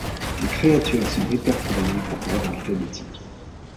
Les créatures sont répertoriées par ordre alphabétique.